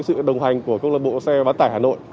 sự đồng hành của công lâm bộ xe bán tải hà nội